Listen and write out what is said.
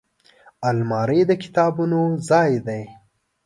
الماري د کتابونو ځای دی